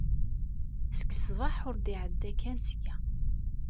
Seg ṣṣbaḥ, ur d-iɛedda Ken seg-a.